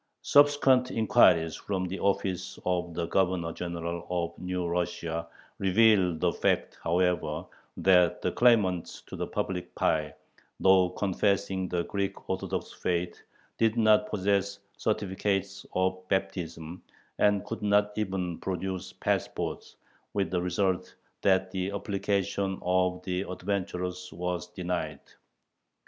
Subsequent inquiries from the office of the Governor General of New Russia revealed the fact, however, that the claimants to the public pie, though confessing the Greek Orthodox faith, did not possess certificates of baptism, and could not even produce passports, with the result that the application of the adventurers was denied.